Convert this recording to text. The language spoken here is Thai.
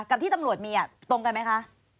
กับที่ตำรวจมีตรงกันไหมคะ